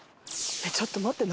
ちょっと待って。